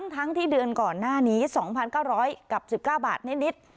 ทั้งที่เดือนก่อนหน้านี้๒๙๐๐กับ๑๙บาทนิด